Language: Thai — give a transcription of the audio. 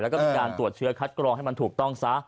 แล้วก็มีการตรวจเชื้อคัดกรองให้มันถูกต้องซะ